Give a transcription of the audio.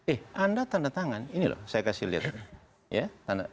eh anda tanda tangan ini loh saya kasih lihat